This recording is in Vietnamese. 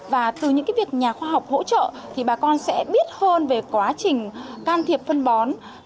và từ những việc nhà khoa học hỗ trợ thì bà con sẽ biết hơn về quá trình can thiệp phân bó